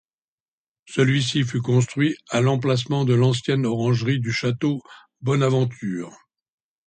Celui-ci fut construit à l'emplacement de l'ancienne orangerie du Château Bonaventure.